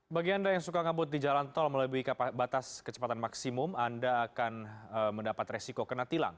bagi anda yang suka ngabut di jalan tol melalui batas kecepatan maksimum anda akan mendapat resiko kena tilang